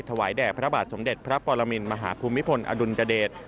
แด่พระบาทสมเด็จพระปรมินมหาภูมิพลอดุลยเดช